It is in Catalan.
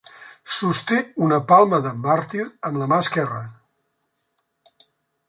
Sosté una palma de màrtir amb la mà esquerra.